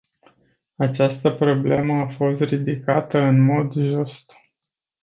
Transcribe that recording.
Această problemă a fost ridicată în mod just.